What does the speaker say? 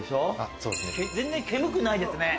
全然煙くないですね。